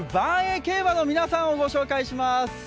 競馬の皆さんをご紹介します。